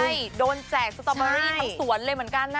ใช่โดนแจกสตอเบอรี่ทำสวนเลยเหมือนกันนะ